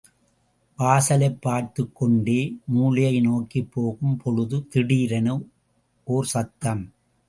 வாசலைப் பார்த்துக் கொண்டே மூலையை நோக்கிப் போகும் பொழுது திடீரென ஓர் சத்தம்.